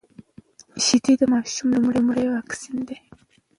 شيدې د ماشوم لومړنی واکسين دی.